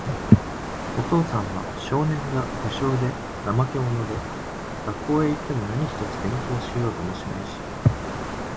お父さんは、少年が、無精で、怠け者で、学校へいっても何一つ勉強しようともしないし、